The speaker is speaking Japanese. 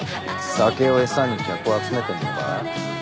酒を餌に客を集めてんのか？